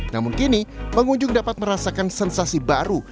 namun kini pengunjung dapat merasakan sensasi baru